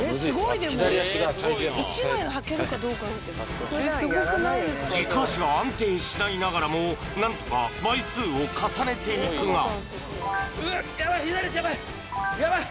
左足が体重大変軸足が安定しないながらも何とか枚数を重ねていくがうっやばい